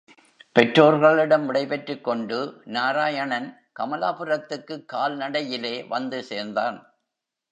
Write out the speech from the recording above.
பெற்றோர்களிடம் விடைபெற்றுக் கொண்டு நாராயணன் கமலாபுரத்துக்குக் கால்நடையிலே வந்து சேர்ந்தான்.